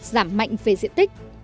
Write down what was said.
giảm mạnh về diện tích